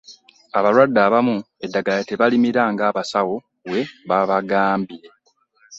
abalwadde abamu eddagala tebalimira nga abasawo we babagambye.